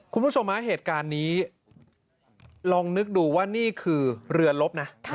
คุณผู้ชมฮะเหตุการณ์นี้ลองนึกดูว่านี่คือเรือลบนะ